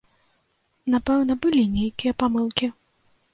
Напэўна, былі нейкія памылкі.